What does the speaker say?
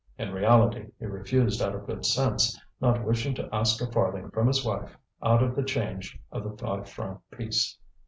In reality he refused out of good sense, not wishing to ask a farthing from his wife out of the change of the five franc piece.